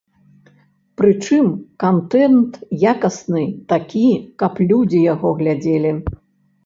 Прычым, кантэнт якасны, такі, каб людзі яго глядзелі?